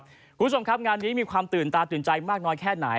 คุณผู้ชมครับงานนี้มีความตื่นตาตื่นใจมากน้อยแค่ไหน